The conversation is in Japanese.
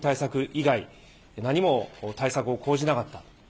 以外何も対策を講じなかった。